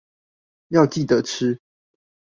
要記得吃